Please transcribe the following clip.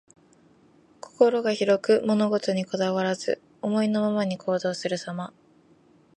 心が広く、物事にこだわらず、思いのままに行動するさま。